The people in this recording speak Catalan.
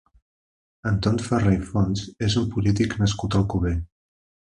Anton Ferré i Fons és un polític nascut a Alcover.